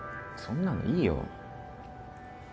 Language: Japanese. そんなのいいよ